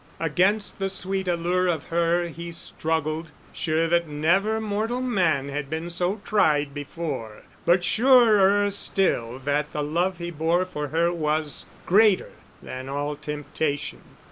Against the sweet allure of her he struggled, sure that never mortal man had been so tried before, but surer still that the love he bore for her was greater than all temptation.